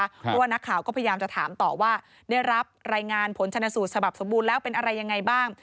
เพราะว่านักข่าวก็พยายามจะถามต่อว่าได้รับรายงานผลชนะสูตรฉบับสมบูรณ์แล้วเป็นอะไรยังไงบ้าง